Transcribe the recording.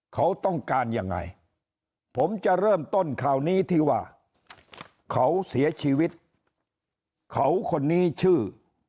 เขาต้องการยังไงผมจะเริ่มต้นข่าวนี้ที่ว่าเขาเสียชีวิตเขาคนนี้ชื่อ